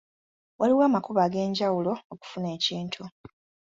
Waliwo amakubo ag'enjawulo okufuna ekintu.